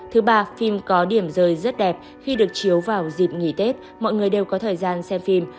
thứ ba phim có điểm rời rất đẹp khi được chiếu vào dịp nghỉ tết mọi người đều có thời gian xem phim